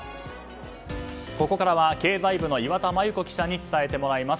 ここからは、経済部の岩田真由子記者に伝えてもらいます。